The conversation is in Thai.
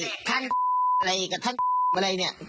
ท่านอะไรกับท่านอะไรเนี่ย